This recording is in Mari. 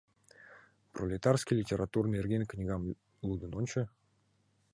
Пролетарский литератур нерген кнагам лудын ончо.